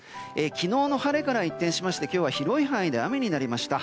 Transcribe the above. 昨日の晴れから一転しまして今日は広い範囲で雨になりました。